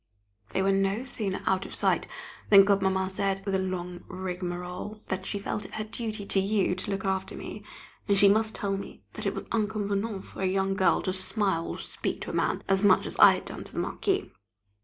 They were no sooner out of sight, than Godmamma said, with a long rigmarole, that she felt it her duty to you to look after me, and she must tell me that it was inconvenant for a young girl to smile or speak to a man as much as I had done to the Marquis.